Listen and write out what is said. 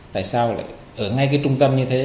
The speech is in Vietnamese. tại sao ở ngay trung tâm như thế